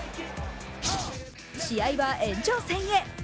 試合は延長戦へ。